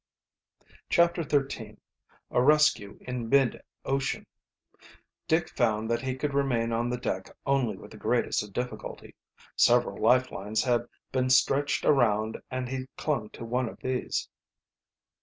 CHAPTER XIII A RESCUE IN MID OCEAN Dick found that he could remain on the deck only with the greatest of difficulty. Several life lines had been stretched around and he clung to one of these.